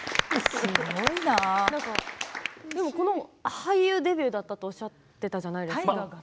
俳優デビューだったとおっしゃっていたじゃないですか。